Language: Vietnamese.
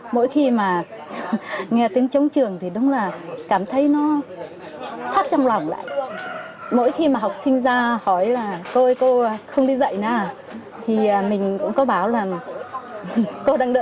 liệu có còn an sinh xã hội này không